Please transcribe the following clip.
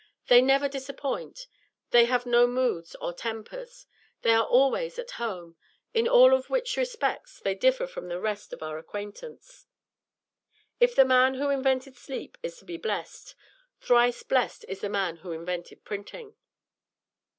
They never disappoint, they have no moods or tempers, they are always at home, in all of which respects they differ from the rest of our acquaintance. If the man who invented sleep is to be blessed, thrice blessed be the man who invented printing!